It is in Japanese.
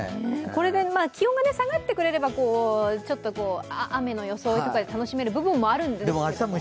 これで気温が下がってくれれば雨の装いとか楽しめる部分もあるんですけども。